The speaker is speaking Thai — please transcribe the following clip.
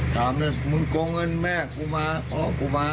ถามด้วยมึงโกงเงินแม่พ่อกูมา